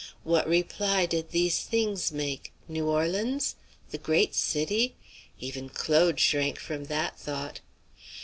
What reply did these things make? New Orleans? The great city? Even Claude shrank from that thought.